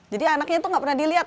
jadi anaknya itu nggak pernah dilihat